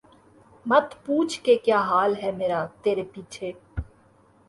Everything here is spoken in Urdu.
مت پوچھ کہ کیا حال ہے میرا ترے پیچھے